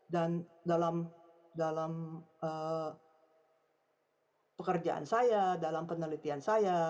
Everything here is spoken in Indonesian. dan dalam dalam pekerjaan saya dalam penelitian saya